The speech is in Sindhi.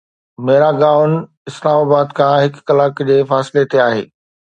ميراگاون اسلام آباد کان هڪ ڪلاڪ جي فاصلي تي آهي.